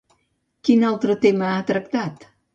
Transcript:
Quin altre tema ha tractat?